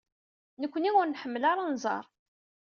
Nekkni ur nḥemmel ara anẓar.